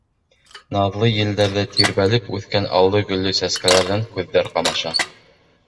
Наҙлы елдәрҙә тирбәлеп үҫкән аллы-гөллө сәскәләрҙән күҙҙәр ҡамаша.